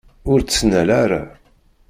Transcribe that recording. Ur ttnal ara.